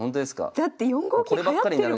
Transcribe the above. だって４五銀はやってるもん。